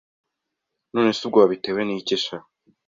Nonese ubwo wabitewe ni iki sha